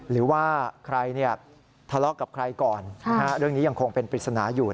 หรือว่าใครทะเลาะกับใครก่อนเรื่องนี้ยังคงเป็นปริศนาอยู่